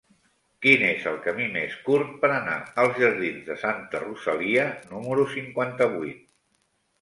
Quin és el camí més curt per anar als jardins de Santa Rosalia número cinquanta-vuit?